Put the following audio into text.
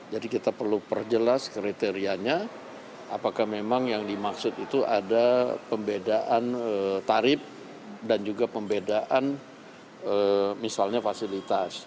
jadi kita perlu perjelas kriterianya apakah memang yang dimaksud itu ada pembedaan tarif dan juga pembedaan misalnya fasilitas